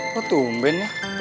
kok tumben ya